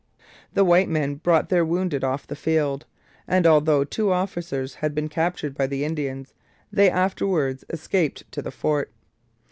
The white men brought their wounded off the field; and although two officers had been captured by the Indians, they afterwards escaped to the fort.